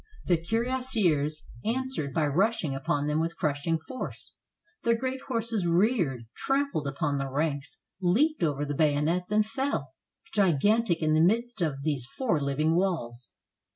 The cuirassiers answered by rushing upon them with crushing force. Their great horses reared, tram pled upon the ranks, leaped over the bayonets and fell, gigantic in the midst of these four living walls.